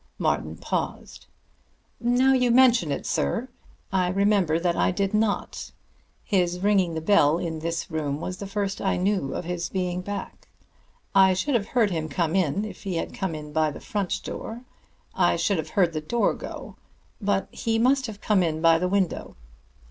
Martin paused. "Now you mention it, sir, I remember that I did not. His ringing the bell in this room was the first I knew of his being back. I should have heard him come in, if he had come in by the front. I should have heard the door go. But he must have come in by the window."